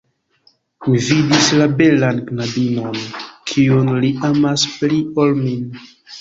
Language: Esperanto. Mi vidis la belan knabinon, kiun li amas pli ol min!